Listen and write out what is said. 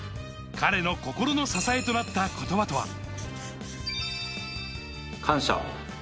彼の心の支えとなった言葉とは。